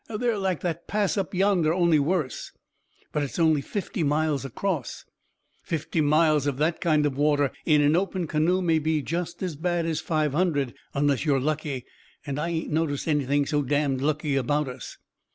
They're like that Pass up yonder, only worse." "But it's only fifty miles across." "Fifty miles of that kind of water in an open canoe may be just as bad as five hundred unless you're lucky. And I ain't noticed anything so damned lucky about us."